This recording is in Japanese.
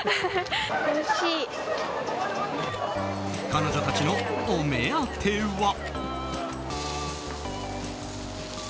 彼女たちのお目当ては。